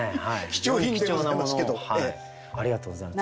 非常に貴重なものをありがとうございます。